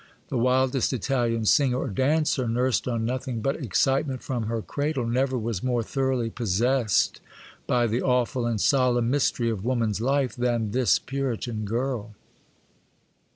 The wildest Italian singer or dancer, nursed on nothing but excitement from her cradle, never was more thoroughly possessed by the awful and solemn mystery of woman's life, than this Puritan girl.